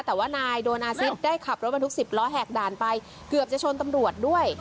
แต่ว่านายโดนอาซิตได้ขับรถบรรทุก๑๐ล้อแหกด่านไปเกือบจะชนตำรวจด้วย